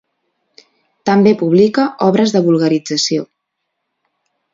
També publica obres de vulgarització.